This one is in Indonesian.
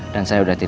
dan saya udah tidur